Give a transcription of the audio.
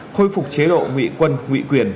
khôi phục chế độ nguyện quân nguyện quyền